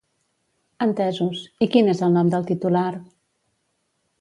Entesos, i quin és el nom del titular?